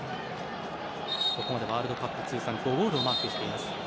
ここまでワールドカップ通算５ゴールをマークしています。